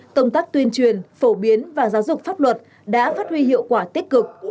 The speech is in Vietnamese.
công tác tuyên truyền phổ biến và giáo dục pháp luật đã phát huy hiệu quả tích cực